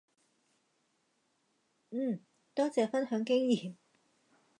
嗯，多謝分享經驗